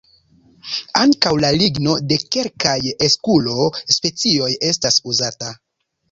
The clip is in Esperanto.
Ankaŭ la ligno de kelkaj "eskulo"-specioj estas uzata.